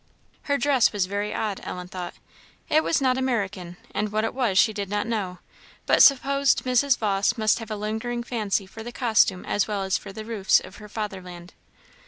Her dress was very odd, Ellen thought. It was not American, and what it was she did not know, but supposed Mrs. Vawse must have a lingering fancy for the costume as well as for the roofs of her fatherland.